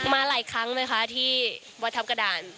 มาหลายครั้งไหมคะที่วัดทัพกระดาน